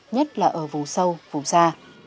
nhất là ở vùng sâu vùng xa